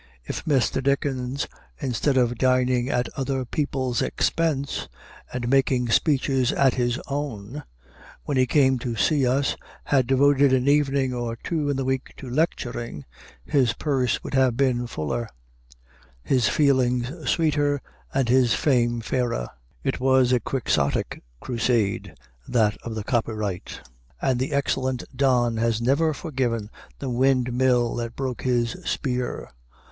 If Mr. Dickens, instead of dining at other people's expense, and making speeches at his own, when he came to see us, had devoted an evening or two in the week to lecturing, his purse would have been fuller, his feelings sweeter, and his fame fairer. It was a Quixotic crusade, that of the Copyright, and the excellent Don has never forgiven the windmill that broke his spear.